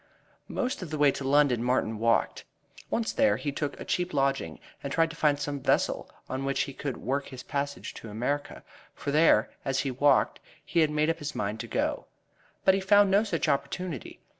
Most of the way to London Martin walked. Once there he took a cheap lodging, and tried to find some vessel on which he could work his passage to America, for there, as he walked, he had made up his mind to go. But he found no such opportunity.